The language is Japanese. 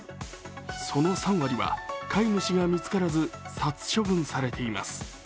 その３割は飼い主が見つからず殺処分されています。